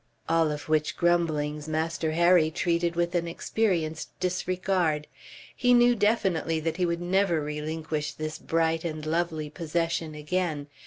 All of which grumblings Master Harry treated with an experienced disregard. He knew definitely that he would never relinquish this bright and lovely possession again.